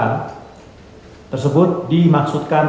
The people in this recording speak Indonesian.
penerbitan instrumen operasi pasar tersebut dimaksudkan